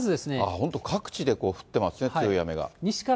本当、各地で降ってますね、強い雨が。